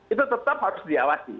itu tetap harus diawasi